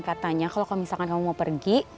katanya kalau misalkan kamu mau pergi